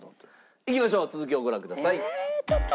いきましょう続きをご覧ください。